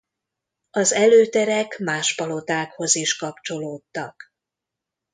Az előterek más palotákhoz is kapcsolódtak.